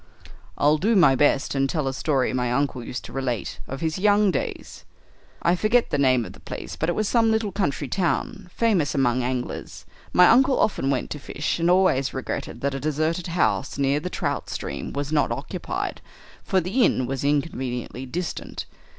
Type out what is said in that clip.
"I'll do my best, and tell a story my uncle used to relate of his young days. I forget the name of the place, but it was some little country town famous among anglers. My uncle often went to fish, and always regretted that a deserted house near the trout stream was not occupied, for the inn was inconveniently distant.